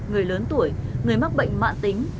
người lớn tuổi người mắc bệnh mạng tính